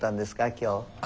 今日。